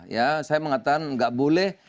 ya saya mengatakan nggak boleh